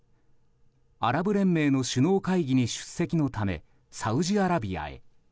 アラブ連盟の首脳会議に出席のため、サウジアラビアへ。